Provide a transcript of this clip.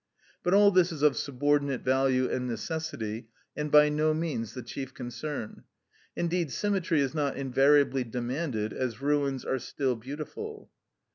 But all this is of subordinate value and necessity, and by no means the chief concern; indeed, symmetry is not invariably demanded, as ruins are still beautiful.